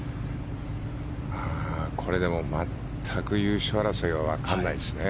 これでも、全く優勝争いはわからないですね。